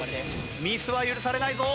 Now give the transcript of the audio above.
ミスは許されないぞ。